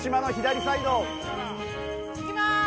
いきます。